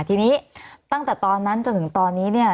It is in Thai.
ทีนี้ตั้งแต่ตอนนั้นจนถึงตอนนี้เนี่ย